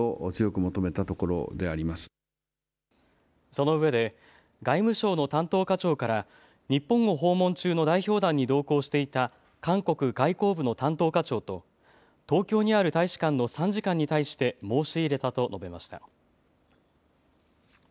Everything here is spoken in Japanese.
そのうえで外務省の担当課長から日本を訪問中の代表団に同行していた韓国外交部の担当課長と東京にある大使館の参事官に対して申し入れたと述べました。